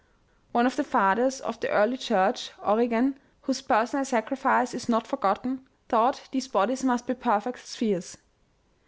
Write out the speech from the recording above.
One of the fathers of the early church, Origen, whose personal sacrifice is not forgotten, thought these bodies must be perfect spheres.